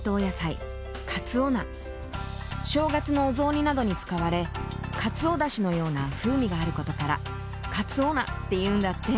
正月のお雑煮などに使われかつおだしのような風味があることからかつお菜っていうんだって。